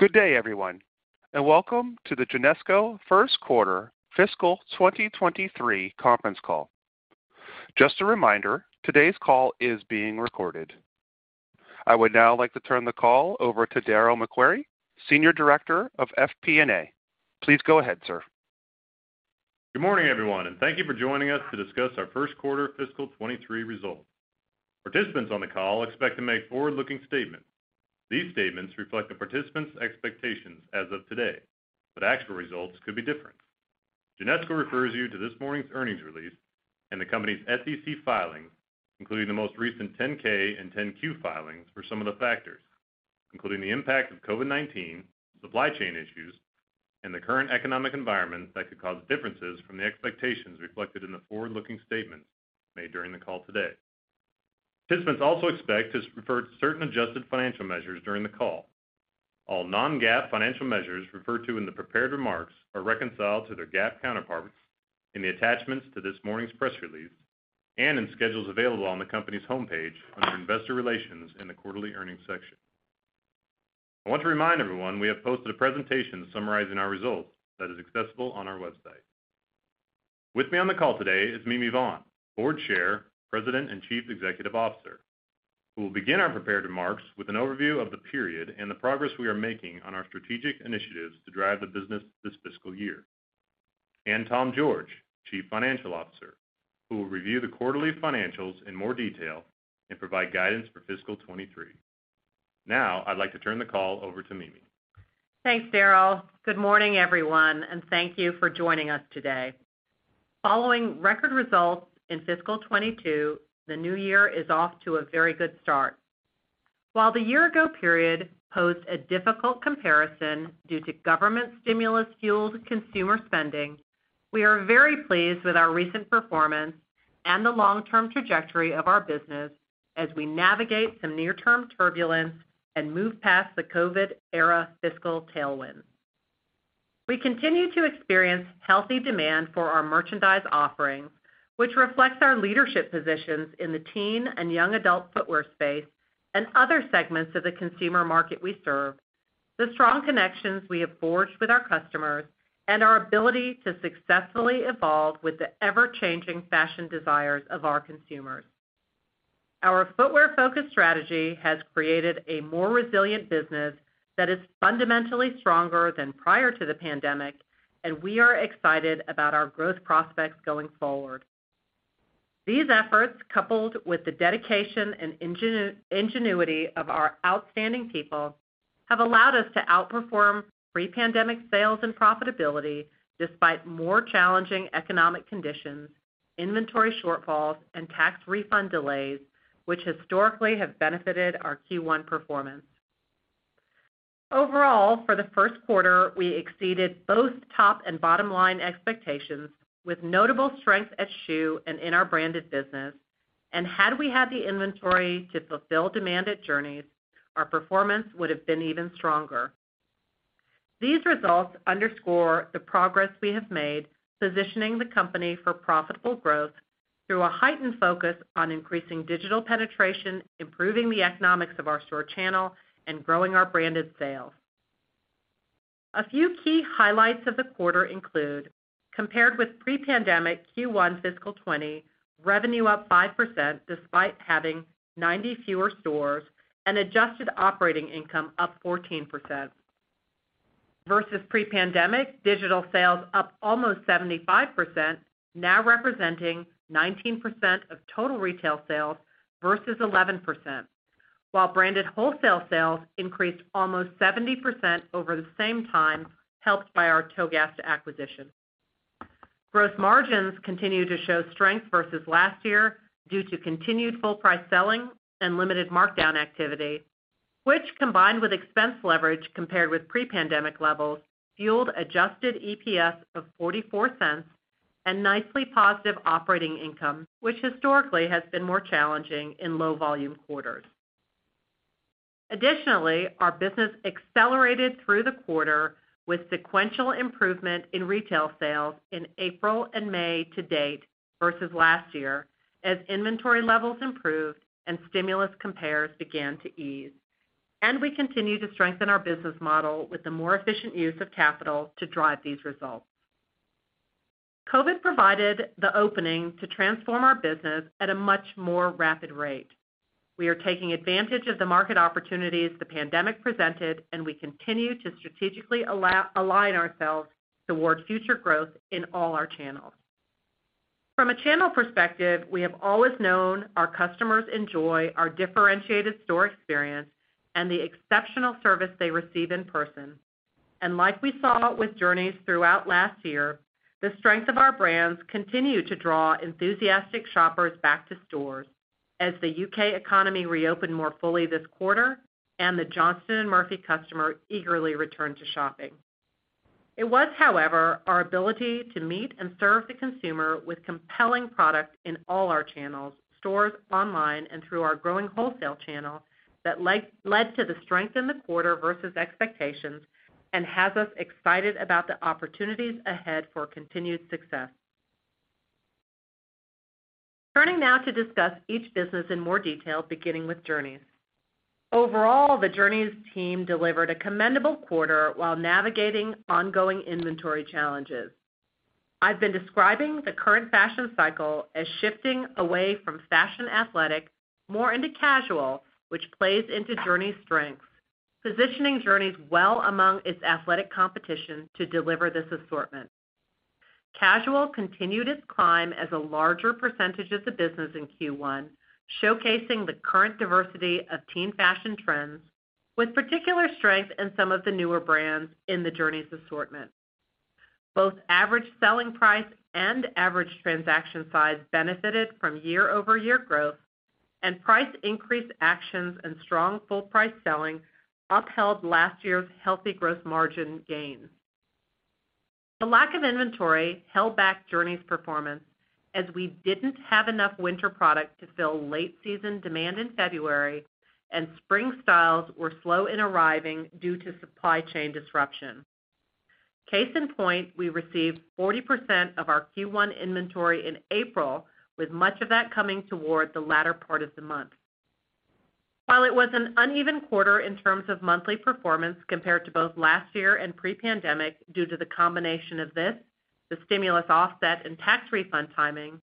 Good day, everyone, and welcome to the Genesco first quarter fiscal 2023 conference call. Just a reminder, today's call is being recorded. I would now like to turn the call over to Darryl MacQuarrie, Senior Director of FP&A. Please go ahead, sir. Good morning, everyone, and thank you for joining us to discuss our first quarter fiscal 2023 results. Participants on the call expect to make forward-looking statements. These statements reflect the participants' expectations as of today, but actual results could be different. Genesco refers you to this morning's earnings release and the company's SEC filings, including the most recent 10-K and 10-Q filings for some of the factors, including the impact of COVID-19, supply chain issues, and the current economic environment that could cause differences from the expectations reflected in the forward-looking statements made during the call today. Participants also expect to refer to certain adjusted financial measures during the call. All non-GAAP financial measures referred to in the prepared remarks are reconciled to their GAAP counterparts in the attachments to this morning's press release and in schedules available on the company's homepage under Investor Relations in the Quarterly Earnings section. I want to remind everyone we have posted a presentation summarizing our results that is accessible on our website. With me on the call today is Mimi Vaughn, Board Chair, President, and Chief Executive Officer, who will begin our prepared remarks with an overview of the period and the progress we are making on our strategic initiatives to drive the business this fiscal year. Tom George, Chief Financial Officer, who will review the quarterly financials in more detail and provide guidance for fiscal 2023. Now, I'd like to turn the call over to Mimi. Thanks, Darryl. Good morning, everyone, and thank you for joining us today. Following record results in fiscal 2022, the new year is off to a very good start. While the year ago period posed a difficult comparison due to government stimulus fueled consumer spending, we are very pleased with our recent performance and the long-term trajectory of our business as we navigate some near-term turbulence and move past the COVID era fiscal tailwind. We continue to experience healthy demand for our merchandise offerings, which reflects our leadership positions in the teen and young adult footwear space and other segments of the consumer market we serve, the strong connections we have forged with our customers, and our ability to successfully evolve with the ever-changing fashion desires of our consumers. Our footwear-focused strategy has created a more resilient business that is fundamentally stronger than prior to the pandemic, and we are excited about our growth prospects going forward. These efforts, coupled with the dedication and ingenuity of our outstanding people, have allowed us to outperform pre-pandemic sales and profitability despite more challenging economic conditions, inventory shortfalls, and tax refund delays, which historically have benefited our Q1 performance. Overall, for the first quarter, we exceeded both top and bottom line expectations with notable strength at schuh and in our branded business. Had we had the inventory to fulfill demand at Journeys, our performance would have been even stronger. These results underscore the progress we have made positioning the company for profitable growth through a heightened focus on increasing digital penetration, improving the economics of our store channel, and growing our branded sales. A few key highlights of the quarter include, compared with pre-pandemic Q1 fiscal 2020, revenue up 5% despite having 90 fewer stores and adjusted operating income up 14%. Versus pre-pandemic, digital sales up almost 75%, now representing 19% of total retail sales versus 11%, while branded wholesale sales increased almost 70% over the same time, helped by our Togast acquisition. Gross margins continue to show strength versus last year due to continued full price selling and limited markdown activity, which combined with expense leverage compared with pre-pandemic levels, fueled adjusted EPS of $0.44 and nicely positive operating income, which historically has been more challenging in low volume quarters. Additionally, our business accelerated through the quarter with sequential improvement in retail sales in April and May to date versus last year as inventory levels improved and stimulus comps began to ease. We continue to strengthen our business model with a more efficient use of capital to drive these results. COVID provided the opening to transform our business at a much more rapid rate. We are taking advantage of the market opportunities the pandemic presented, and we continue to strategically align ourselves toward future growth in all our channels. From a channel perspective, we have always known our customers enjoy our differentiated store experience and the exceptional service they receive in person. Like we saw with Journeys throughout last year, the strength of our brands continue to draw enthusiastic shoppers back to stores as the UK economy reopened more fully this quarter and the Johnston & Murphy customer eagerly returned to shopping. It was, however, our ability to meet and serve the consumer with compelling products in all our channels, stores, online, and through our growing wholesale channel that led to the strength in the quarter versus expectations and has us excited about the opportunities ahead for continued success. Turning now to discuss each business in more detail, beginning with Journeys. Overall, the Journeys team delivered a commendable quarter while navigating ongoing inventory challenges. I've been describing the current fashion cycle as shifting away from fashion athletic more into casual, which plays into Journeys' strengths, positioning Journeys well among its athletic competition to deliver this assortment. Casual continued its climb as a larger percentage of the business in Q1, showcasing the current diversity of teen fashion trends, with particular strength in some of the newer brands in the Journeys assortment. Both average selling price and average transaction size benefited from year-over-year growth, and price increase actions and strong full price selling upheld last year's healthy gross margin gains. The lack of inventory held back Journeys performance as we didn't have enough winter product to fill late season demand in February and spring styles were slow in arriving due to supply chain disruption. Case in point, we received 40% of our Q1 inventory in April, with much of that coming toward the latter part of the month. While it was an uneven quarter in terms of monthly performance compared to both last year and pre-pandemic due to the combination of this, the stimulus offset and tax refund timing,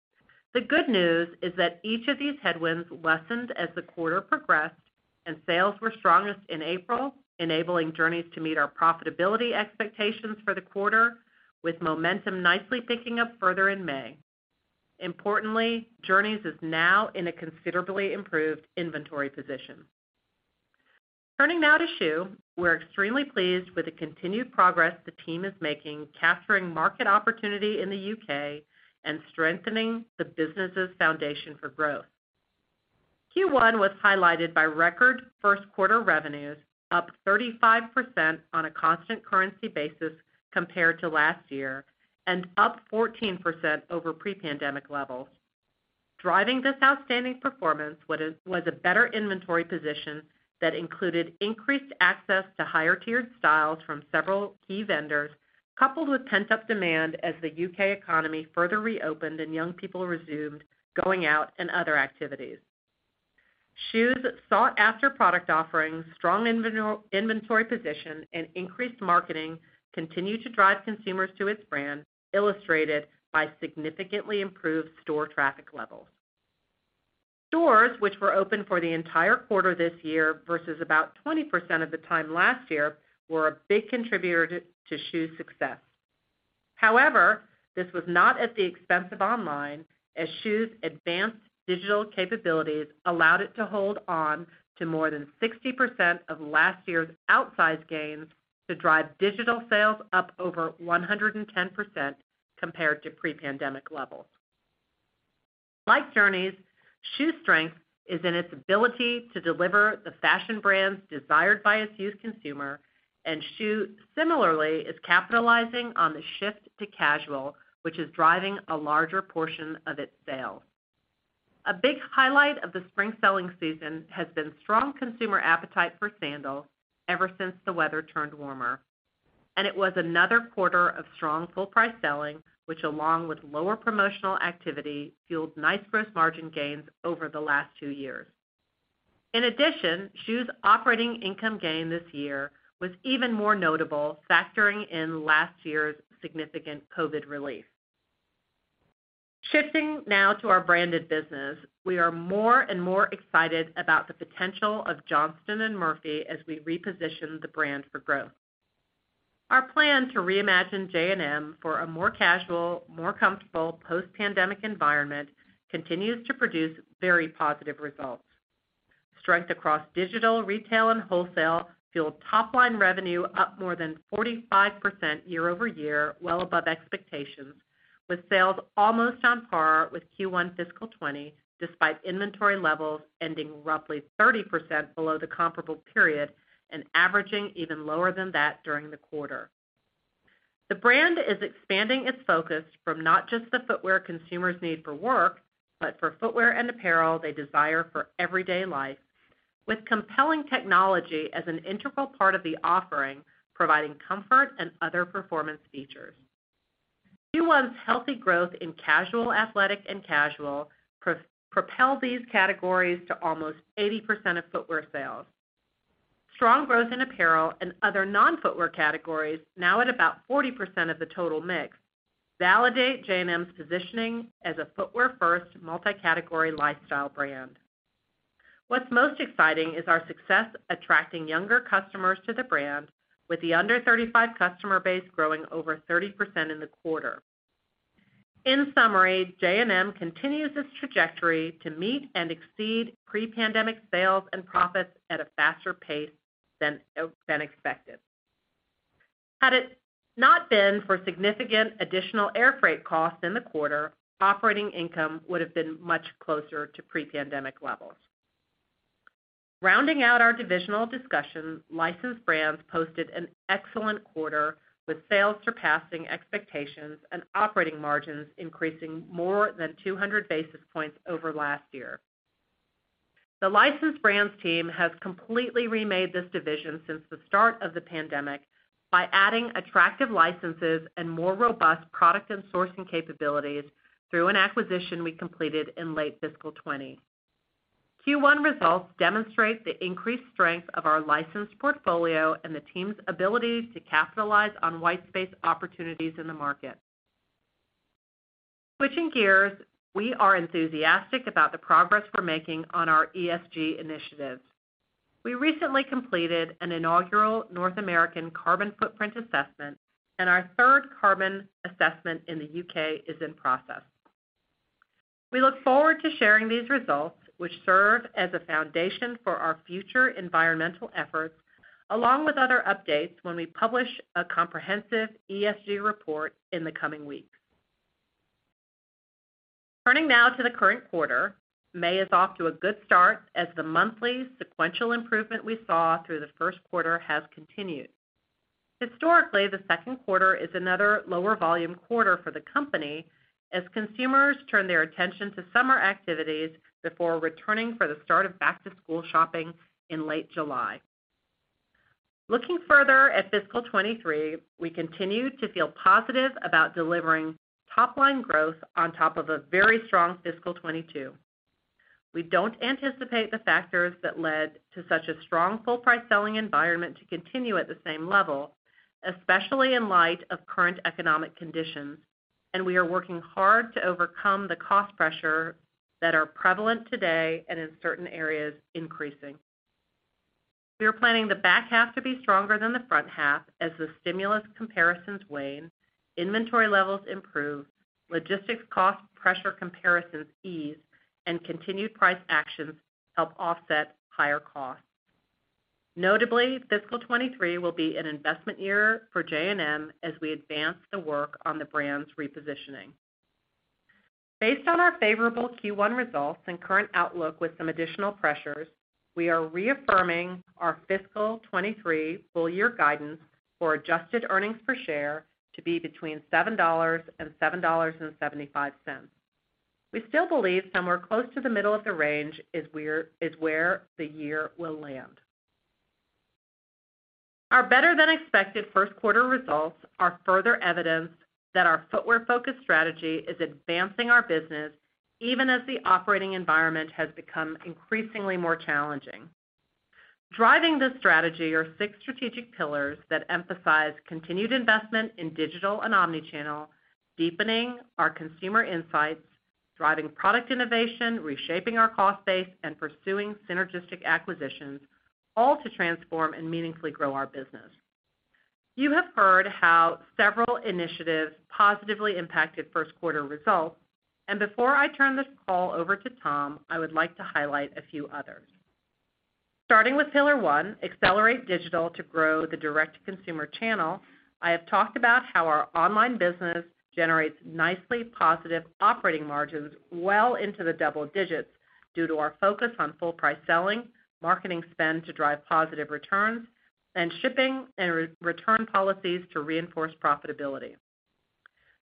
the good news is that each of these headwinds lessened as the quarter progressed and sales were strongest in April, enabling Journeys to meet our profitability expectations for the quarter with momentum nicely picking up further in May. Importantly, Journeys is now in a considerably improved inventory position. Turning now to schuh. We're extremely pleased with the continued progress the team is making, capturing market opportunity in the UK and strengthening the business' foundation for growth. Q1 was highlighted by record first quarter revenues up 35% on a constant currency basis compared to last year and up 14% over pre-pandemic levels. Driving this outstanding performance was a better inventory position that included increased access to higher-tiered styles from several key vendors, coupled with pent-up demand as the UK economy further reopened and young people resumed going out and other activities. schuh's sought-after product offerings, strong inventory position and increased marketing continue to drive consumers to its brand, illustrated by significantly improved store traffic levels. Stores which were open for the entire quarter this year versus about 20% of the time last year were a big contributor to schuh's success. However, this was not at the expense of online, as schuh's advanced digital capabilities allowed it to hold on to more than 60% of last year's outsized gains to drive digital sales up over 110% compared to pre-pandemic levels. Like Journeys, schuh's strength is in its ability to deliver the fashion brands desired by its youth consumer, and schuh similarly is capitalizing on the shift to casual, which is driving a larger portion of its sales. A big highlight of the spring selling season has been strong consumer appetite for sandals ever since the weather turned warmer, and it was another quarter of strong full price selling, which along with lower promotional activity, fueled nice gross margin gains over the last two years. In addition, schuh's operating income gain this year was even more notable, factoring in last year's significant COVID relief. Shifting now to our branded business, we are more and more excited about the potential of Johnston & Murphy as we reposition the brand for growth. Our plan to reimagine J&M for a more casual, more comfortable post-pandemic environment continues to produce very positive results. Strength across digital, retail and wholesale fueled top-line revenue up more than 45% year-over-year, well above expectations, with sales almost on par with Q1 fiscal 2020 despite inventory levels ending roughly 30% below the comparable period and averaging even lower than that during the quarter. The brand is expanding its focus from not just the footwear consumers need for work, but for footwear and apparel they desire for everyday life with compelling technology as an integral part of the offering, providing comfort and other performance features. Q1's healthy growth in casual athletic and casual pro-propelled these categories to almost 80% of footwear sales. Strong growth in apparel and other non-footwear categories now at about 40% of the total mix, validate J&M's positioning as a footwear-first, multi-category lifestyle brand. What's most exciting is our success attracting younger customers to the brand with the under 35 customer base growing over 30% in the quarter. In summary, J&M continues its trajectory to meet and exceed pre-pandemic sales and profits at a faster pace than expected. Had it not been for significant additional air freight costs in the quarter, operating income would have been much closer to pre-pandemic levels. Rounding out our divisional discussions, licensed brands posted an excellent quarter, with sales surpassing expectations and operating margins increasing more than 200 basis points over last year. The licensed brands team has completely remade this division since the start of the pandemic by adding attractive licenses and more robust product and sourcing capabilities through an acquisition we completed in late fiscal 2020. Q1 results demonstrate the increased strength of our licensed portfolio and the team's ability to capitalize on white space opportunities in the market. Switching gears, we are enthusiastic about the progress we're making on our ESG initiatives. We recently completed an inaugural North American carbon footprint assessment, and our third carbon assessment in the UK is in process. We look forward to sharing these results, which serve as a foundation for our future environmental efforts, along with other updates when we publish a comprehensive ESG report in the coming weeks. Turning now to the current quarter, May is off to a good start as the monthly sequential improvement we saw through the first quarter has continued. Historically, the second quarter is another lower volume quarter for the company as consumers turn their attention to summer activities before returning for the start of back-to-school shopping in late July. Looking further at fiscal 2023, we continue to feel positive about delivering top-line growth on top of a very strong fiscal 2022. We don't anticipate the factors that led to such a strong full price selling environment to continue at the same level, especially in light of current economic conditions. We are working hard to overcome the cost pressure that are prevalent today and in certain areas, increasing. We are planning the back half to be stronger than the front half as the stimulus comparisons wane, inventory levels improve, logistics cost pressure comparisons ease, and continued price actions help offset higher costs. Notably, fiscal 2023 will be an investment year for JNM as we advance the work on the brand's repositioning. Based on our favorable Q1 results and current outlook with some additional pressures, we are reaffirming our fiscal 2023 full year guidance for adjusted earnings per share to be between $7 and $7.75. We still believe somewhere close to the middle of the range is where the year will land. Our better than expected first quarter results are further evidence that our footwear-focused strategy is advancing our business even as the operating environment has become increasingly more challenging. Driving this strategy are six strategic pillars that emphasize continued investment in digital and omni-channel, deepening our consumer insights, driving product innovation, reshaping our cost base, and pursuing synergistic acquisitions, all to transform and meaningfully grow our business. You have heard how several initiatives positively impacted first quarter results, and before I turn this call over to Tom, I would like to highlight a few others. Starting with pillar one, accelerate digital to grow the direct-to-consumer channel, I have talked about how our online business generates nicely positive operating margins well into the double digits due to our focus on full price selling, marketing spend to drive positive returns, and shipping and return policies to reinforce profitability.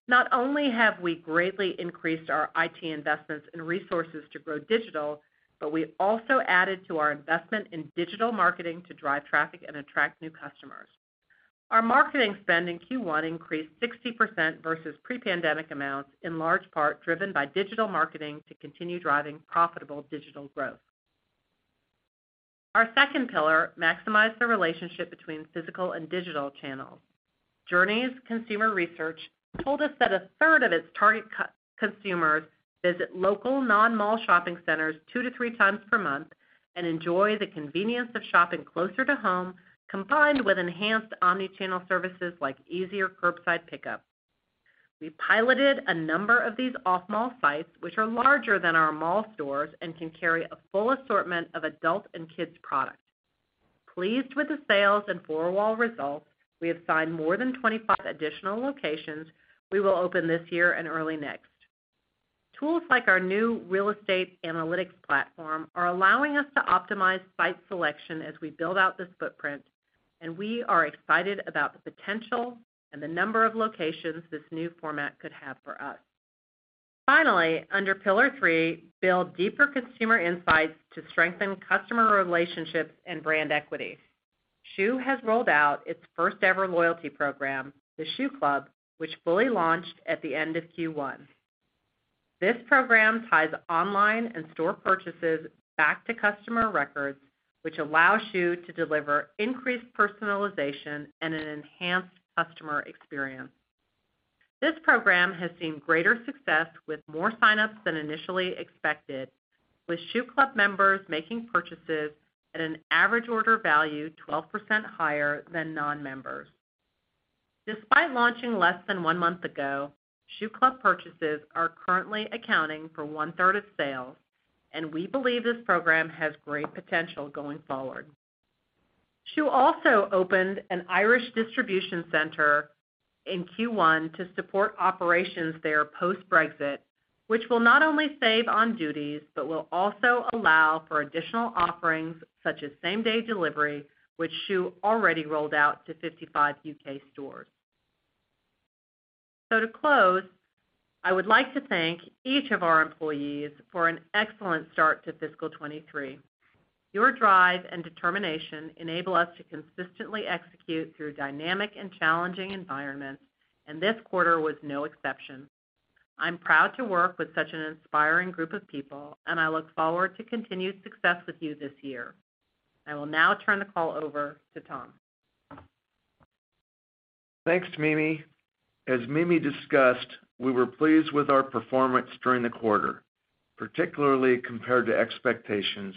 Not only have we greatly increased our IT investments and resources to grow digital, but we also added to our investment in digital marketing to drive traffic and attract new customers. Our marketing spend in Q1 increased 60% versus pre-pandemic amounts, in large part driven by digital marketing to continue driving profitable digital growth. Our second pillar, maximize the relationship between physical and digital channels. Journeys consumer research told us that a third of its target consumers visit local non-mall shopping centers two to three times per month and enjoy the convenience of shopping closer to home, combined with enhanced omni-channel services like easier curbside pickup. We piloted a number of these off-mall sites, which are larger than our mall stores and can carry a full assortment of adult and kids product. Pleased with the sales and four-wall results, we have signed more than 25 additional locations we will open this year and early next. Tools like our new real estate analytics platform are allowing us to optimize site selection as we build out this footprint, and we are excited about the potential and the number of locations this new format could have for us. Finally, under pillar three, build deeper consumer insights to strengthen customer relationships and brand equity. schuh has rolled out its first ever loyalty program, the schuh Club, which fully launched at the end of Q1. This program ties online and store purchases back to customer records, which allows schuh to deliver increased personalization and an enhanced customer experience. This program has seen greater success with more sign-ups than initially expected, with schuh club members making purchases at an average order value 12% higher than non-members. Despite launching less than one month ago, schuh Club purchases are currently accounting for 1/3 of sales, and we believe this program has great potential going forward. schuh also opened an Irish distribution center in Q1 to support operations there post-Brexit, which will not only save on duties, but will also allow for additional offerings such as same-day delivery, which schuh already rolled out to 55 UK stores. To close, I would like to thank each of our employees for an excellent start to fiscal 2023. Your drive and determination enable us to consistently execute through dynamic and challenging environments, and this quarter was no exception. I'm proud to work with such an inspiring group of people, and I look forward to continued success with you this year. I will now turn the call over to Tom. Thanks, Mimi. As Mimi discussed, we were pleased with our performance during the quarter, particularly compared to expectations,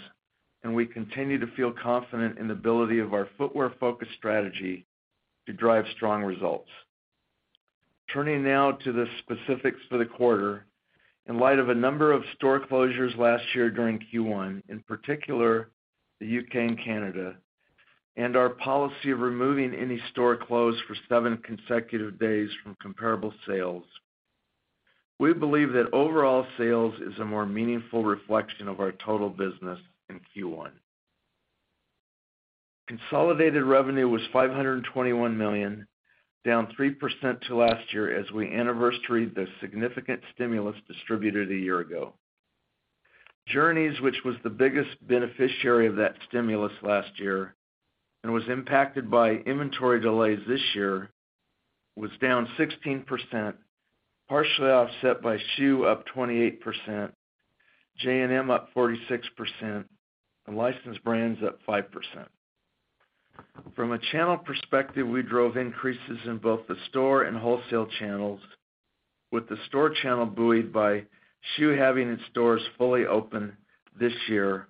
and we continue to feel confident in the ability of our footwear-focused strategy to drive strong results. Turning now to the specifics for the quarter. In light of a number of store closures last year during Q1, in particular the UK and Canada, and our policy of removing any store closed for seven consecutive days from comparable sales, we believe that overall sales is a more meaningful reflection of our total business in Q1. Consolidated revenue was $521 million, down 3% to last year as we anniversaried the significant stimulus distributed a year ago. Journeys, which was the biggest beneficiary of that stimulus last year and was impacted by inventory delays this year, was down 16%, partially offset by schuh up 28%, J&M up 46%, and licensed brands up 5%. From a channel perspective, we drove increases in both the store and wholesale channels, with the store channel buoyed by schuh having its stores fully open this year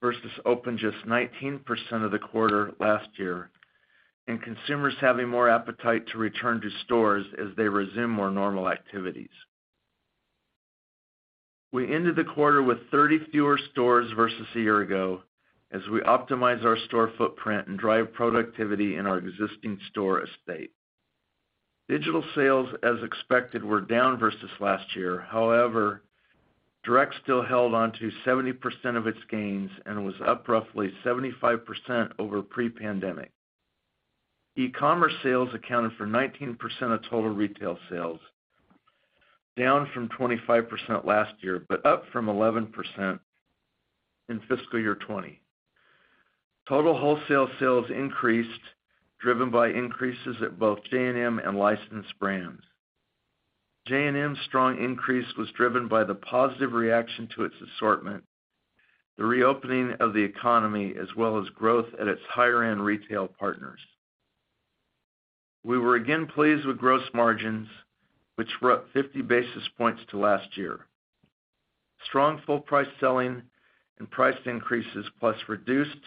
versus open just 19% of the quarter last year, and consumers having more appetite to return to stores as they resume more normal activities. We ended the quarter with 30 fewer stores versus a year ago as we optimize our store footprint and drive productivity in our existing store estate. Digital sales, as expected, were down versus last year. However, direct still held on to 70% of its gains and was up roughly 75% over pre-pandemic. E-commerce sales accounted for 19% of total retail sales, down from 25% last year but up from 11% in fiscal year 2020. Total wholesale sales increased, driven by increases at both J&M and licensed brands. J&M's strong increase was driven by the positive reaction to its assortment, the reopening of the economy, as well as growth at its higher-end retail partners. We were again pleased with gross margins, which were up 50 basis points to last year. Strong full price selling and price increases, plus reduced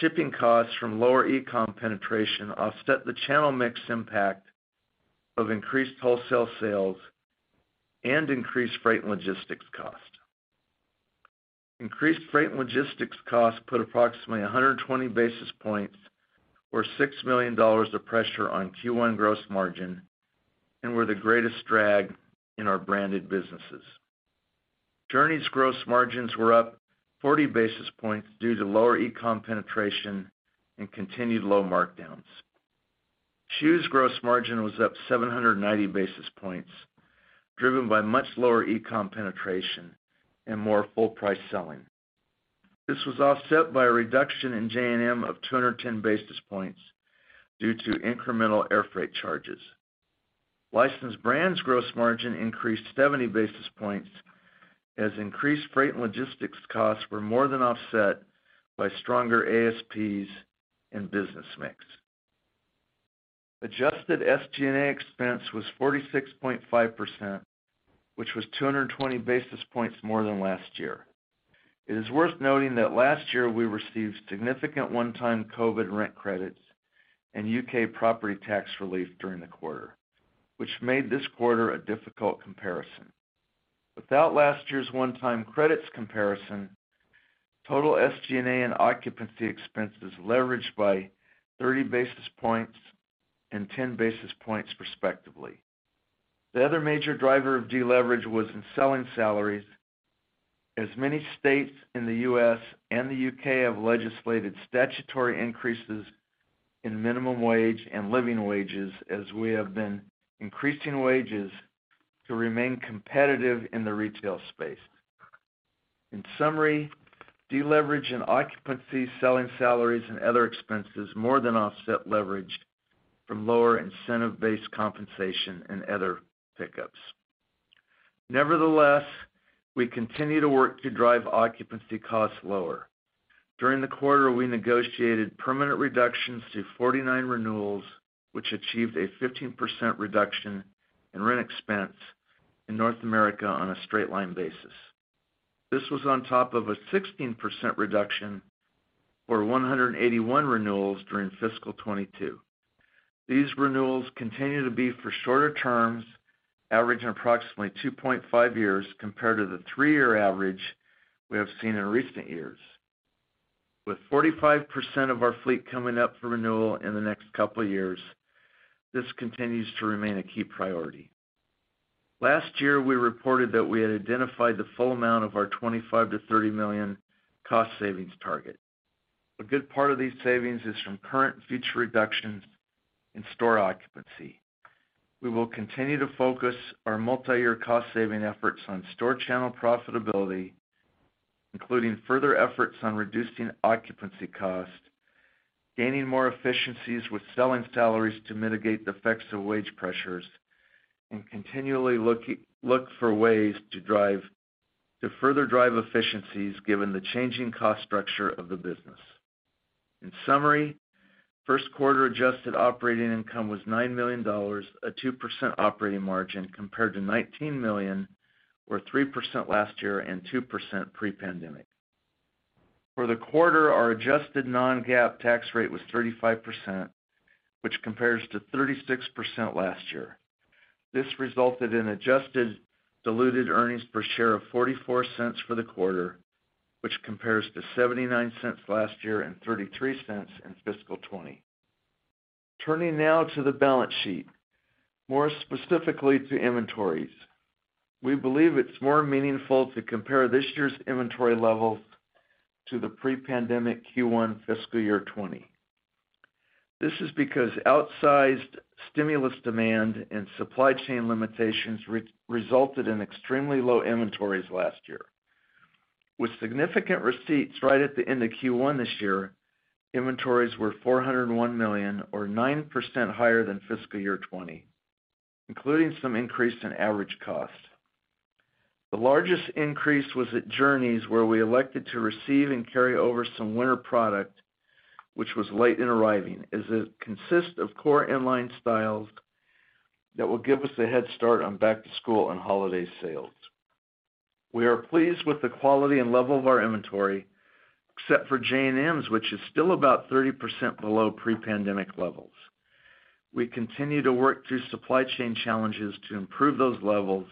shipping costs from lower e-com penetration offset the channel mix impact of increased wholesale sales and increased freight and logistics cost. Increased freight and logistics costs put approximately 120 basis points or $6 million of pressure on Q1 gross margin and were the greatest drag in our branded businesses. Journeys gross margins were up 40 basis points due to lower e-com penetration and continued low markdowns. schuh's gross margin was up 790 basis points, driven by much lower e-com penetration and more full-price selling. This was offset by a reduction in J&M of 210 basis points due to incremental air freight charges. Licensed brands gross margin increased 70 basis points as increased freight and logistics costs were more than offset by stronger ASPs and business mix. Adjusted SG&A expense was 46.5%, which was 220 basis points more than last year. It is worth noting that last year we received significant one-time COVID rent credits and UK property tax relief during the quarter, which made this quarter a difficult comparison. Without last year's one-time credits comparison, total SG&A and occupancy expenses leveraged by 30 basis points and 10 basis points respectively. The other major driver of deleverage was in selling salaries, as many states in the U.S. and the UK have legislated statutory increases in minimum wage and living wages as we have been increasing wages to remain competitive in the retail space. In summary, deleverage in occupancy, selling salaries and other expenses more than offset leverage from lower incentive-based compensation and other pickups. Nevertheless, we continue to work to drive occupancy costs lower. During the quarter, we negotiated permanent reductions to 49 renewals, which achieved a 15% reduction in rent expense in North America on a straight line basis. This was on top of a 16% reduction for 181 renewals during fiscal 2022. These renewals continue to be for shorter terms, averaging approximately 2.5 years compared to the 3-year average we have seen in recent years. With 45% of our fleet coming up for renewal in the next couple of years, this continues to remain a key priority. Last year, we reported that we had identified the full amount of our $25 million-$30 million cost savings target. A good part of these savings is from current and future reductions in store occupancy. We will continue to focus our multiyear cost-saving efforts on store channel profitability, including further efforts on reducing occupancy costs, gaining more efficiencies with selling salaries to mitigate the effects of wage pressures, and continually look for ways to further drive efficiencies given the changing cost structure of the business. In summary, first quarter adjusted operating income was $9 million, a 2% operating margin compared to $19 million or 3% last year and 2% pre-pandemic. For the quarter, our adjusted non-GAAP tax rate was 35%, which compares to 36% last year. This resulted in adjusted diluted earnings per share of $0.44 for the quarter, which compares to $0.79 last year and $0.33 in fiscal 2020. Turning now to the balance sheet. More specifically to inventories. We believe it's more meaningful to compare this year's inventory levels to the pre-pandemic Q1 fiscal year 2020. This is because outsized stimulus demand and supply chain limitations resulted in extremely low inventories last year. With significant receipts right at the end of Q1 this year, inventories were $401 million or 9% higher than fiscal year 2020, including some increase in average cost. The largest increase was at Journeys, where we elected to receive and carry over some winter product which was late in arriving, as it consists of core inline styles that will give us a head start on back-to-school and holiday sales. We are pleased with the quality and level of our inventory, except for J&M's, which is still about 30% below pre-pandemic levels. We continue to work through supply chain challenges to improve those levels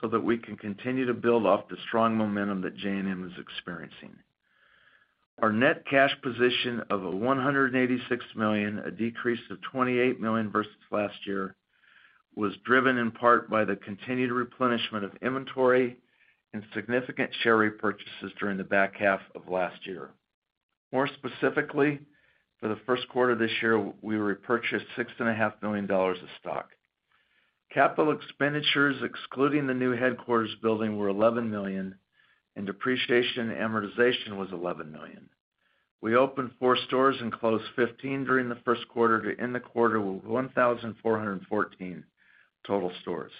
so that we can continue to build off the strong momentum that J&M is experiencing. Our net cash position of $186 million, a decrease of $28 million versus last year, was driven in part by the continued replenishment of inventory and significant share repurchases during the back half of last year. More specifically, for the first quarter this year, we repurchased $6.5 million of stock. Capital expenditures, excluding the new headquarters building, were $11 million, and depreciation and amortization was $11 million. We opened 4 stores and closed 15 during the first quarter to end the quarter with 1,414 total stores.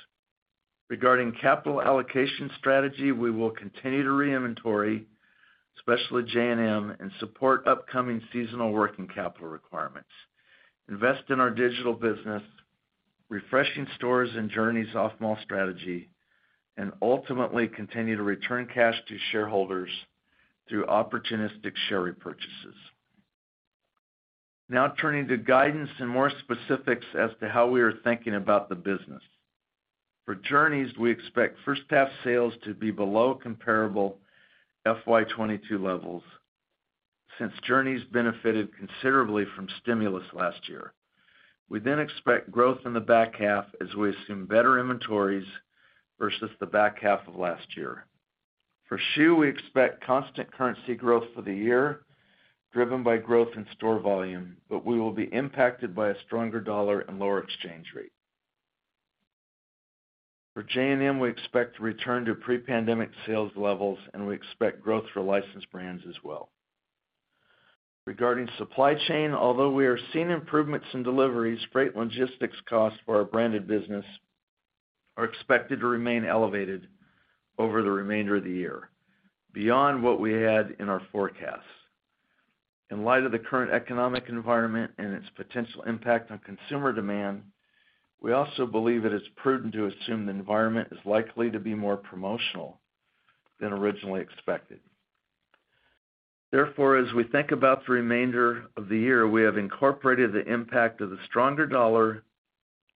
Regarding capital allocation strategy, we will continue to re-inventory, especially J&M, and support upcoming seasonal working capital requirements, invest in our digital business, refreshing stores and Journeys off-mall strategy, and ultimately continue to return cash to shareholders through opportunistic share repurchases. Now turning to guidance and more specifics as to how we are thinking about the business. For Journeys, we expect first half sales to be below comparable FY 22 levels since Journeys benefited considerably from stimulus last year. We then expect growth in the back half as we assume better inventories versus the back half of last year. For schuh, we expect constant currency growth for the year driven by growth in store volume, but we will be impacted by a stronger dollar and lower exchange rate. For J&M, we expect to return to pre-pandemic sales levels, and we expect growth for licensed brands as well. Regarding supply chain, although we are seeing improvements in deliveries, freight logistics costs for our branded business are expected to remain elevated over the remainder of the year, beyond what we had in our forecasts. In light of the current economic environment and its potential impact on consumer demand, we also believe that it's prudent to assume the environment is likely to be more promotional than originally expected. Therefore, as we think about the remainder of the year, we have incorporated the impact of the stronger dollar,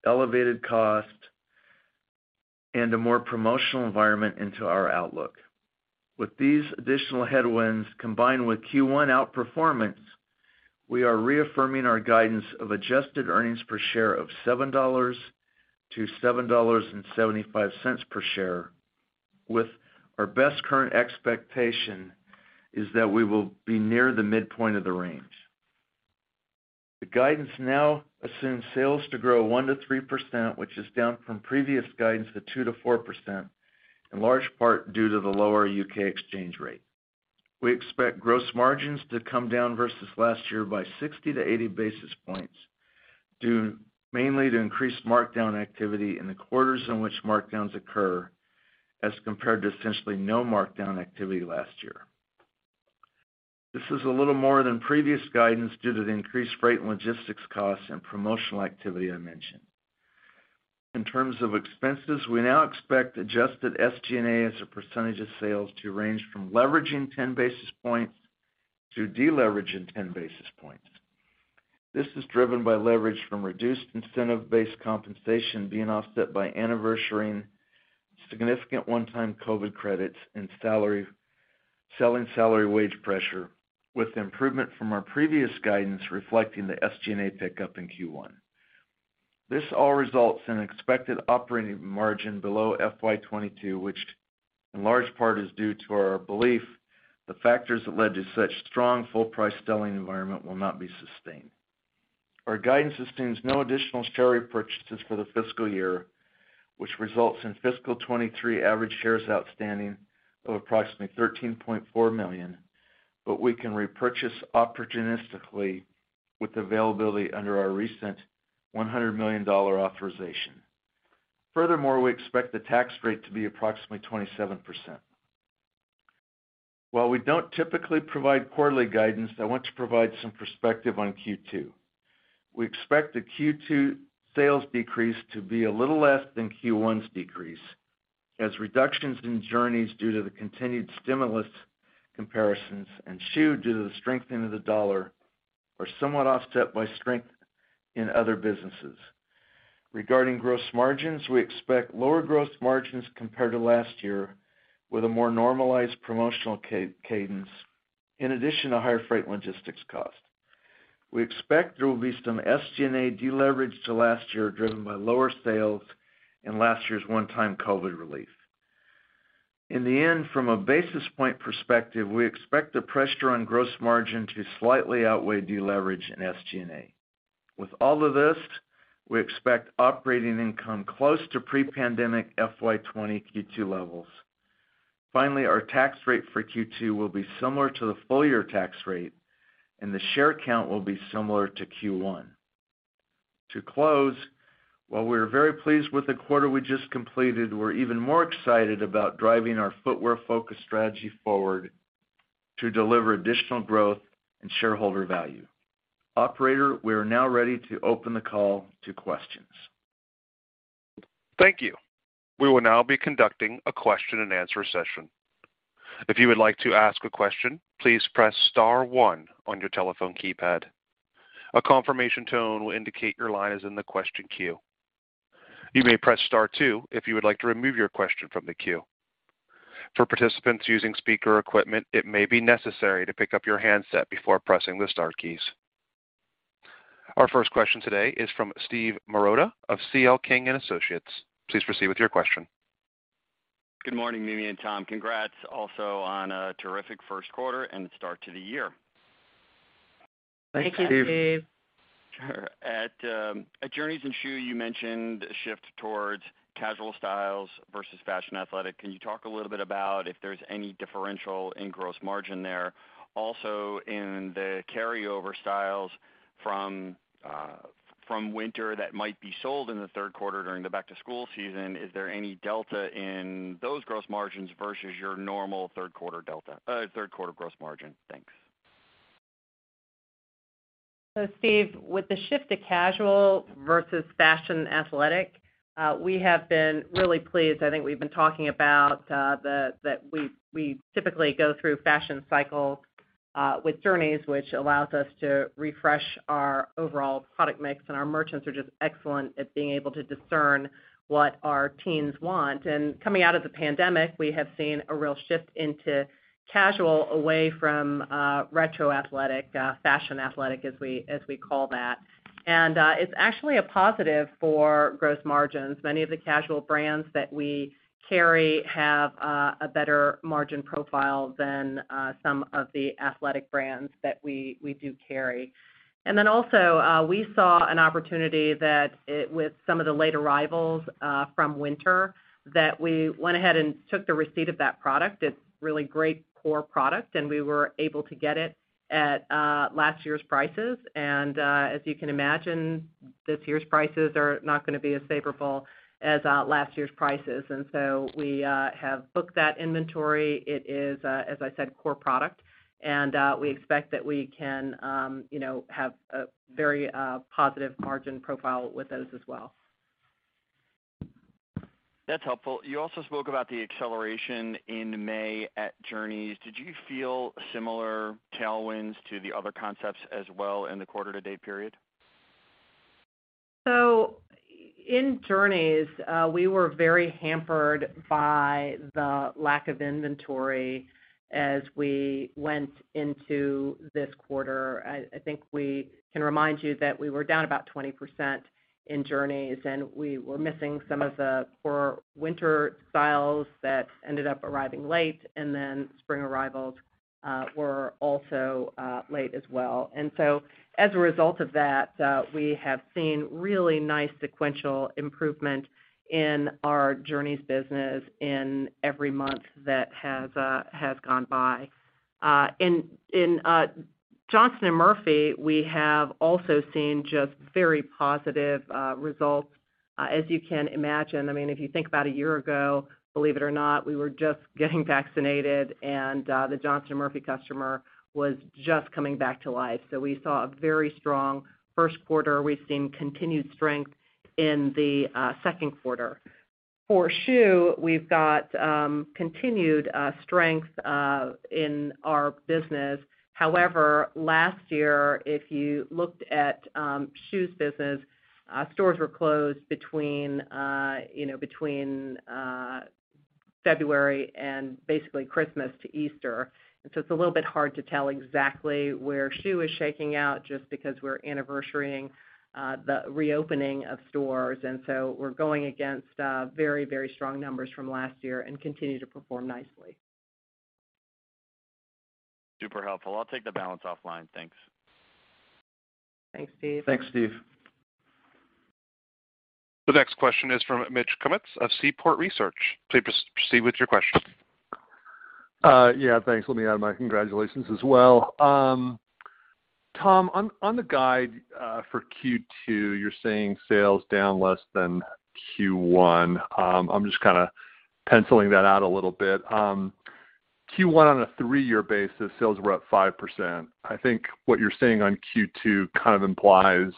elevated cost, and a more promotional environment into our outlook. With these additional headwinds combined with Q1 outperformance, we are reaffirming our guidance of adjusted earnings per share of $7-7.75 per share, with our best current expectation is that we will be near the midpoint of the range. The guidance now assumes sales to grow 1-3%, which is down from previous guidance of 2-4%, in large part due to the lower UK exchange rate. We expect gross margins to come down versus last year by 60-80 basis points, due mainly to increased markdown activity in the quarters in which markdowns occur as compared to essentially no markdown activity last year. This is a little more than previous guidance due to the increased freight and logistics costs and promotional activity I mentioned. In terms of expenses, we now expect adjusted SG&A as a percentage of sales to range from leveraging 10 basis points to deleveraging 10 basis points. This is driven by leverage from reduced incentive-based compensation being offset by anniversary-ing Significant one-time COVID credits and selling, salary, wage pressure with improvement from our previous guidance reflecting the SG&A pickup in Q1. This all results in an expected operating margin below FY 2022, which in large part is due to our belief the factors that led to such strong full-price selling environment will not be sustained. Our guidance assumes no additional share repurchases for the fiscal year, which results in fiscal 2023 average shares outstanding of approximately 13.4 million, but we can repurchase opportunistically with availability under our recent $100 million authorization. Furthermore, we expect the tax rate to be approximately 27%. While we don't typically provide quarterly guidance, I want to provide some perspective on Q2. We expect the Q2 sales decrease to be a little less than Q1's decrease as reductions in Journeys due to the continued stimulus comparisons and schuh due to the strengthening of the dollar are somewhat offset by strength in other businesses. Regarding gross margins, we expect lower gross margins compared to last year with a more normalized promotional cadence in addition to higher freight logistics cost. We expect there will be some SG&A deleverage to last year driven by lower sales and last year's one-time COVID relief. In the end, from a basis point perspective, we expect the pressure on gross margin to slightly outweigh deleverage in SG&A. With all of this, we expect operating income close to pre-pandemic FY 20 Q2 levels. Finally, our tax rate for Q2 will be similar to the full year tax rate, and the share count will be similar to Q1. To close, while we are very pleased with the quarter we just completed, we're even more excited about driving our footwear-focused strategy forward to deliver additional growth and shareholder value. Operator, we are now ready to open the call to questions. Thank you. We will now be conducting a question-and-answer session. If you would like to ask a question, please press star one on your telephone keypad. A confirmation tone will indicate your line is in the question queue. You may press star two if you would like to remove your question from the queue. For participants using speaker equipment, it may be necessary to pick up your handset before pressing the star keys. Our first question today is from Steve Marotta of CL King & Associates. Please proceed with your question. Good morning, Mimi and Tom. Congrats also on a terrific first quarter and start to the year. Thank you, Steve. Thank you, Steve. Sure. At Journeys and schuh, you mentioned a shift towards casual styles versus fashion athletic. Can you talk a little bit about if there's any differential in gross margin there? Also, in the carryover styles from winter that might be sold in the third quarter during the back-to-school season, is there any delta in those gross margins versus your normal third quarter delta, third quarter gross margin? Thanks. Steve, with the shift to casual versus fashion athletic, we have been really pleased. I think we've been talking about that we typically go through fashion cycles with Journeys, which allows us to refresh our overall product mix, and our merchants are just excellent at being able to discern what our teens want. Coming out of the pandemic, we have seen a real shift into casual away from retro athletic fashion athletic as we call that. It's actually a positive for gross margins. Many of the casual brands that we carry have a better margin profile than some of the athletic brands that we do carry. We saw an opportunity with some of the late arrivals from winter that we went ahead and took the receipt of that product. It's really great core product, and we were able to get it at last year's prices. As you can imagine, this year's prices are not gonna be as favorable as last year's prices. We have booked that inventory. It is, as I said, core product. We expect that we can, you know, have a very positive margin profile with those as well. That's helpful. You also spoke about the acceleration in May at Journeys. Did you feel similar tailwinds to the other concepts as well in the quarter to date period? In Journeys, we were very hampered by the lack of inventory as we went into this quarter. I think we can remind you that we were down about 20% in Journeys, and we were missing some of the core winter styles that ended up arriving late, and then spring arrivals were also late as well. As a result of that, we have seen really nice sequential improvement in our Journeys business in every month that has gone by. In Johnston & Murphy, we have also seen just very positive results, as you can imagine. I mean, if you think about a year ago, believe it or not, we were just getting vaccinated and the Johnston & Murphy customer was just coming back to life. We saw a very strong first quarter. We've seen continued strength in the second quarter. For schuh, we've got continued strength in our business. However, last year, if you looked at schuh's business, stores were closed between you know, between. February and basically Christmas to Easter. It's a little bit hard to tell exactly where schuh is shaking out just because we're anniversarying the reopening of stores. We're going against very, very strong numbers from last year and continue to perform nicely. Super helpful. I'll take the balance offline. Thanks. Thanks, Steve. Thanks, Steve. The next question is from Mitch Kummetz of Seaport Research Partners. Please proceed with your question. Yeah, thanks. Let me add my congratulations as well. Tom, on the guide for Q2, you're saying sales down less than Q1. I'm just kinda penciling that out a little bit. Q1 on a three-year basis, sales were up 5%. I think what you're saying on Q2 kind of implies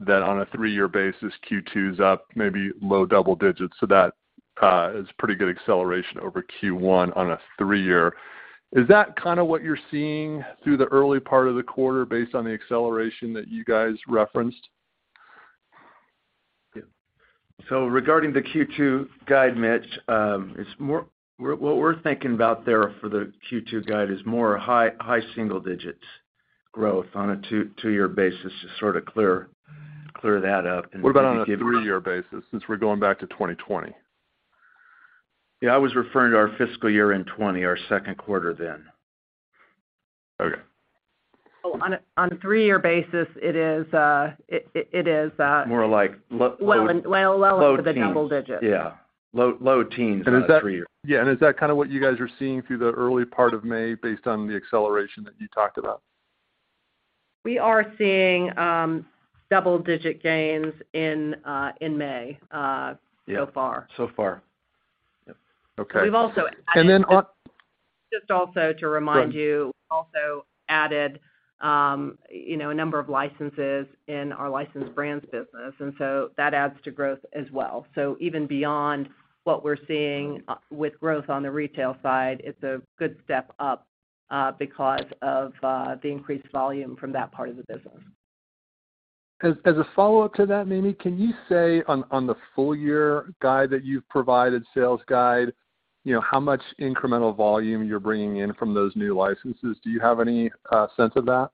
that on a three-year basis, Q2's up maybe low double digits. That is pretty good acceleration over Q1 on a three-year. Is that kinda what you're seeing through the early part of the quarter based on the acceleration that you guys referenced? Regarding the Q2 guide, Mitch, what we're thinking about there for the Q2 guide is more high single digits growth on a two-year basis to sort of clear that up. What about on a three-year basis, since we're going back to 2020? Yeah, I was referring to our fiscal year in 2020, our second quarter then. Okay. Well, on a three-year basis, it is. More like low Well into the double digits Low teens. Yeah. Low teens on a three year. Is that kinda what you guys are seeing through the early part of May based on the acceleration that you talked about? We are seeing double-digit gains in May. Yeah So far. So far. Yep. Okay. We've also added. And then on- Just also to remind you. Go ahead. we also added, you know, a number of licenses in our licensed brands business, and so that adds to growth as well. Even beyond what we're seeing, with growth on the retail side, it's a good step up, because of, the increased volume from that part of the business. As a follow-up to that, Mimi, can you say on the full year guide that you've provided, sales guide, you know, how much incremental volume you're bringing in from those new licenses? Do you have any sense of that?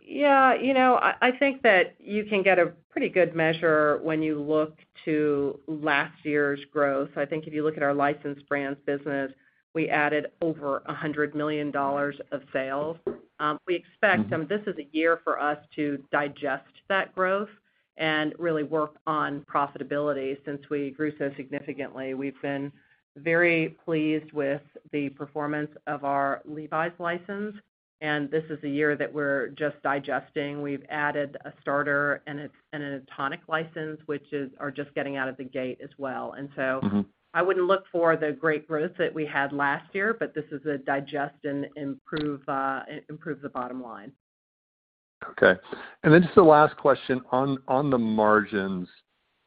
Yeah. You know, I think that you can get a pretty good measure when you look to last year's growth. I think if you look at our licensed brands business, we added over $100 million of sales. This is a year for us to digest that growth and really work on profitability since we grew so significantly. We've been very pleased with the performance of our Levi's license, and this is the year that we're just digesting. We've added a Starter and an Etonic license, which are just getting out of the gate as well. Mm-hmm I wouldn't look for the great growth that we had last year, but this is to digest and improve the bottom line. Okay. Just the last question on the margins.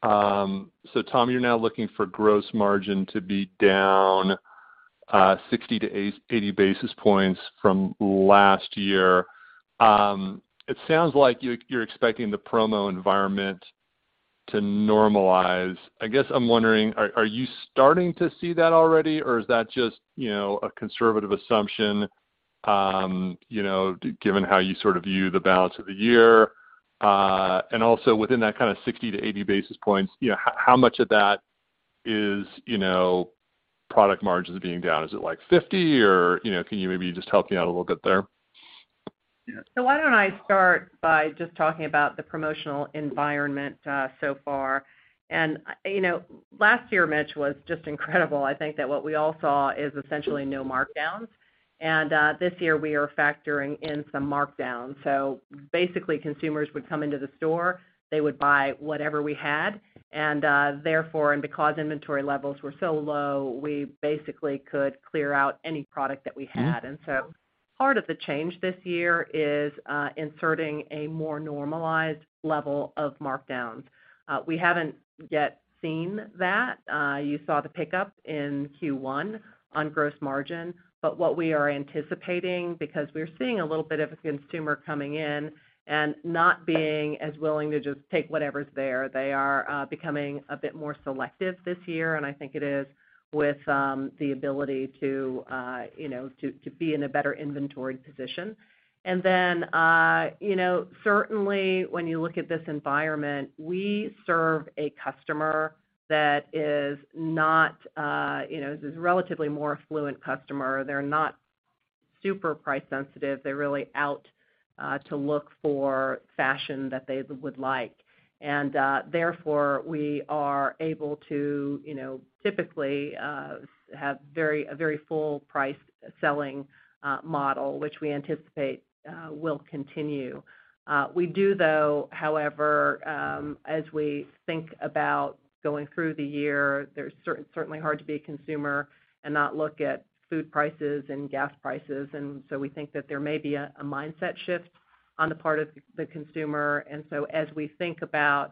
Tom, you're now looking for gross margin to be down 60-80 basis points from last year. It sounds like you're expecting the promo environment to normalize. I guess I'm wondering, are you starting to see that already, or is that just, you know, a conservative assumption, you know, given how you sort of view the balance of the year? And also within that kind of 60-80 basis points, you know, how much of that is, you know, product margins being down? Is it like 50? Or, you know, can you maybe just help me out a little bit there? Yeah. Why don't I start by just talking about the promotional environment so far. You know, last year, Mitch, was just incredible. I think that what we all saw is essentially no markdowns. This year we are factoring in some markdowns. Basically, consumers would come into the store, they would buy whatever we had, and therefore and because inventory levels were so low, we basically could clear out any product that we had. Mm-hmm. Part of the change this year is inserting a more normalized level of markdowns. We haven't yet seen that. You saw the pickup in Q1 on gross margin. What we are anticipating, because we're seeing a little bit of a consumer coming in and not being as willing to just take whatever's there. They are becoming a bit more selective this year, and I think it is with the ability to you know to be in a better inventory position. You know certainly when you look at this environment, we serve a customer that is not you know this is a relatively more affluent customer. They're not super price sensitive. They're really out to look for fashion that they would like. Therefore, we are able to, you know, typically have a very full price selling model, which we anticipate will continue. We do though, however, as we think about going through the year, it's certainly hard to be a consumer and not look at food prices and gas prices. We think that there may be a mindset shift on the part of the consumer. As we think about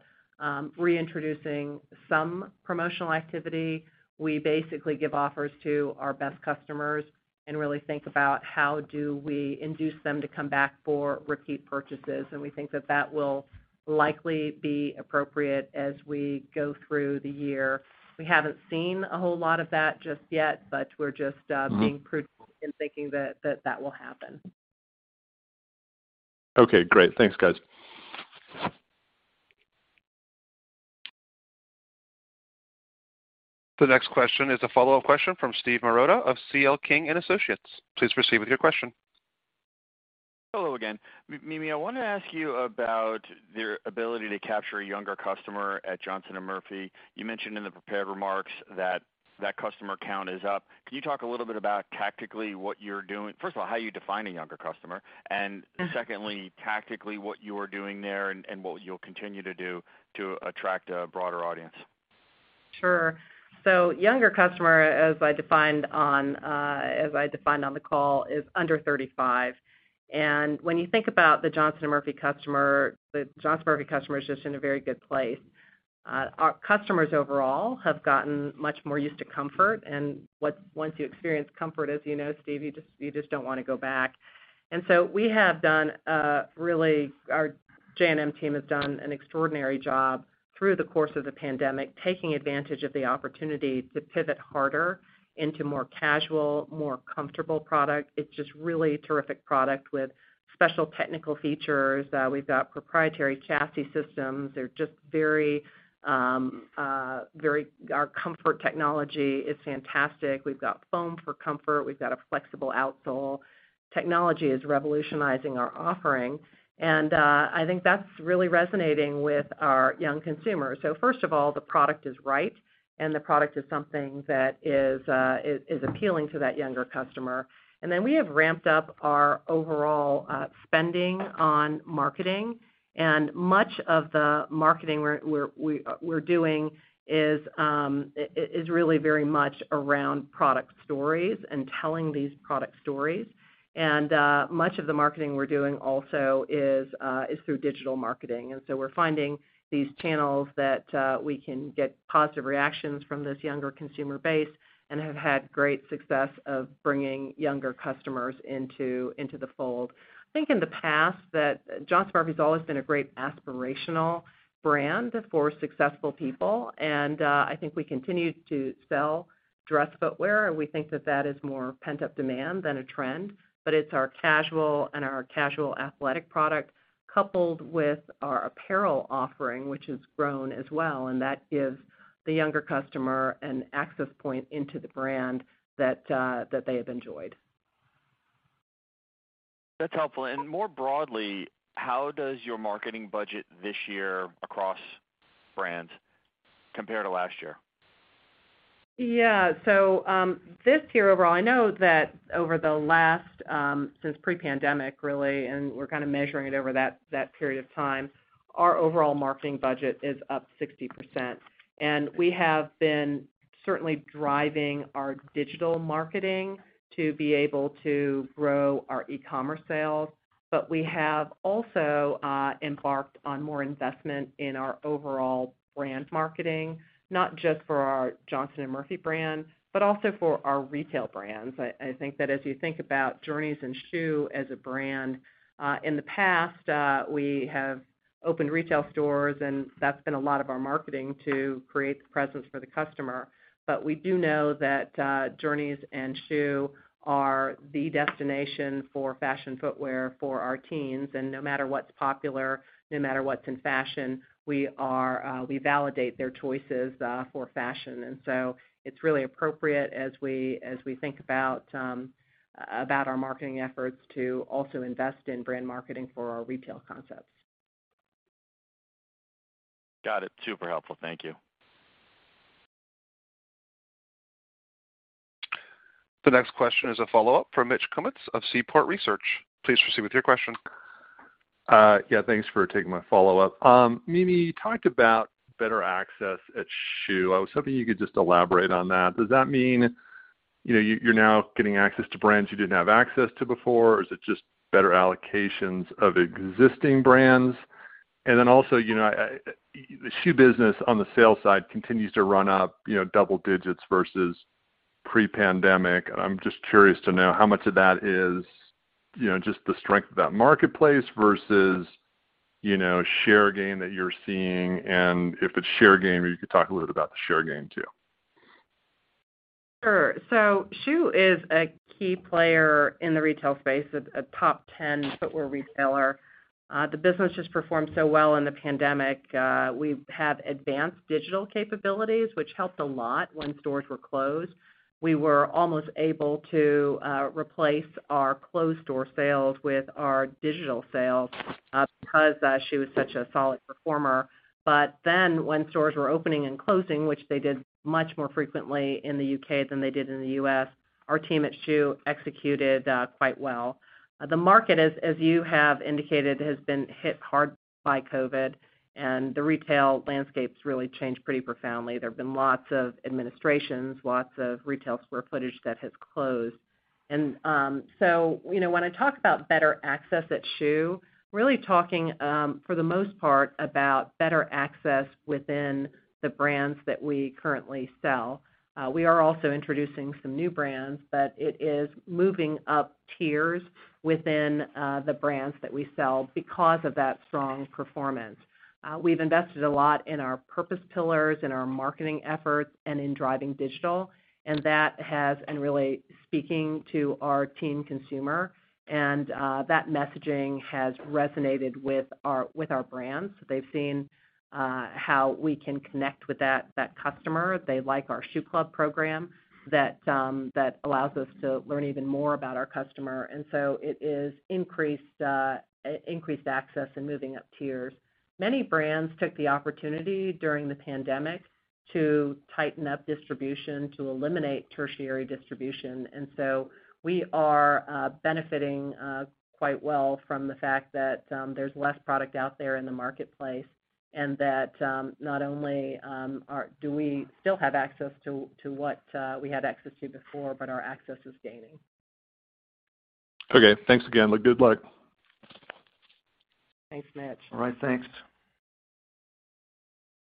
reintroducing some promotional activity, we basically give offers to our best customers and really think about how do we induce them to come back for repeat purchases. We think that that will likely be appropriate as we go through the year. We haven't seen a whole lot of that just yet, but we're just being prudent in thinking that that will happen. Okay, great. Thanks, guys. The next question is a follow-up question from Steve Marotta of C.L. King & Associates. Please proceed with your question. Hello again. Mimi Vaughn, I wanted to ask you about your ability to capture a younger customer at Johnston & Murphy. You mentioned in the prepared remarks that customer count is up. Can you talk a little bit about tactically what you're doing? First of all, how you define a younger customer, and Mm-hmm. Secondly, tactically what you are doing there and what you'll continue to do to attract a broader audience. Sure. Younger customer, as I defined on the call, is under 35. When you think about the Johnston & Murphy customer, the Johnston & Murphy customer is just in a very good place. Our customers overall have gotten much more used to comfort, and once you experience comfort, as you know, Steve, you just don't wanna go back. We have done, really, our J&M team has done an extraordinary job through the course of the pandemic, taking advantage of the opportunity to pivot harder into more casual, more comfortable product. It's just really terrific product with special technical features. We've got proprietary chassis systems. They're just very. Our comfort technology is fantastic. We've got foam for comfort. We've got a flexible outsole. Technology is revolutionizing our offering, and I think that's really resonating with our young consumers. First of all, the product is right, and the product is something that is appealing to that younger customer. We have ramped up our overall spending on marketing. Much of the marketing we're doing is really very much around product stories and telling these product stories. Much of the marketing we're doing also is through digital marketing. We're finding these channels that we can get positive reactions from this younger consumer base and have had great success of bringing younger customers into the fold. I think in the past that Johnston & Murphy's always been a great aspirational brand for successful people, and I think we continue to sell dress footwear, and we think that is more pent-up demand than a trend. It's our casual and our casual athletic product coupled with our apparel offering, which has grown as well, and that gives the younger customer an access point into the brand that they have enjoyed. That's helpful. More broadly, how does your marketing budget this year across brands compare to last year? Yeah. This year overall, I know that over the last, since pre-pandemic really, and we're kinda measuring it over that period of time, our overall marketing budget is up 60%. We have been certainly driving our digital marketing to be able to grow our e-commerce sales. We have also embarked on more investment in our overall brand marketing, not just for our Johnston & Murphy brand, but also for our retail brands. I think that as you think about Journeys and schuh as a brand, in the past, we have opened retail stores, and that's been a lot of our marketing to create the presence for the customer. We do know that Journeys and schuh are the destination for fashion footwear for our teens. No matter what's popular, no matter what's in fashion, we validate their choices for fashion. It's really appropriate as we think about our marketing efforts to also invest in brand marketing for our retail concepts. Got it. Super helpful. Thank you. The next question is a follow-up from Mitch Kummetz of Seaport Research. Please proceed with your question. Yeah, thanks for taking my follow-up. Mimi, you talked about better access at schuh. I was hoping you could just elaborate on that. Does that mean, you know, you're now getting access to brands you didn't have access to before or is it just better allocations of existing brands? You know, the schuh business on the sales side continues to run up, you know, double digits versus pre-pandemic. I'm just curious to know how much of that is, you know, just the strength of that marketplace versus, you know, share gain that you're seeing, and if it's share gain, if you could talk a little bit about the share gain too. Sure. schuh is a key player in the retail space, a top ten footwear retailer. The business just performed so well in the pandemic. We have advanced digital capabilities, which helped a lot when stores were closed. We were almost able to replace our closed door sales with our digital sales, because schuh was such a solid performer. When stores were opening and closing, which they did much more frequently in the UK than they did in the U.S., our team at schuh executed quite well. The market, as you have indicated, has been hit hard by COVID, and the retail landscape's really changed pretty profoundly. There've been lots of administrations, lots of retail square footage that has closed. You know, when I talk about better access at schuh, really talking for the most part about better access within the brands that we currently sell. We are also introducing some new brands, but it is moving up tiers within the brands that we sell because of that strong performance. We've invested a lot in our purpose pillars, in our marketing efforts, and in driving digital, really speaking to our teen consumer. That messaging has resonated with our brands. They've seen how we can connect with that customer. They like our schuh Club program that allows us to learn even more about our customer. It is increased access and moving up tiers. Many brands took the opportunity during the pandemic to tighten up distribution, to eliminate tertiary distribution. We are benefiting quite well from the fact that there's less product out there in the marketplace and that not only do we still have access to what we had access to before, but our access is gaining. Okay, thanks again. Good luck. Thanks, Mitch. All right, thanks.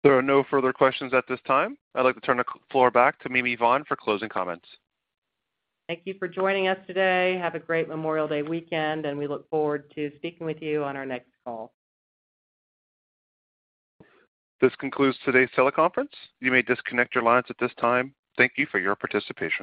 There are no further questions at this time. I'd like to turn the floor back to Mimi Vaughn for closing comments. Thank you for joining us today. Have a great Memorial Day weekend, and we look forward to speaking with you on our next call. This concludes today's teleconference. You may disconnect your lines at this time. Thank you for your participation.